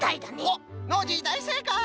おっノージーだいせいかい！